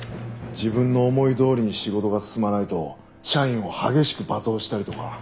自分の思いどおりに仕事が進まないと社員を激しく罵倒したりとか。